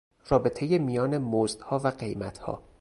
رابطهی میان مزدها و قیمتها